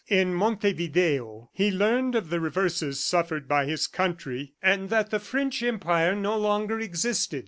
In Montevideo, he learned of the reverses suffered by his country and that the French Empire no longer existed.